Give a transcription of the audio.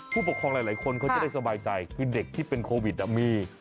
ผู้ปกครองหลายคนเขาจะได้สบายใจคือเด็กที่เป็นโควิดมี